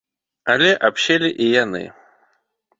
Але абселі і яны.